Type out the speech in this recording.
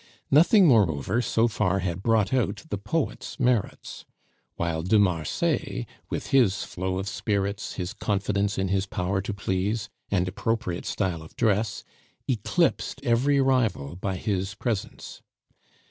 Nothing, moreover, so far had brought out the poet's merits; while de Marsay, with his flow of spirits, his confidence in his power to please, and appropriate style of dress, eclipsed every rival by his presence.